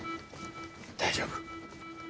大丈夫。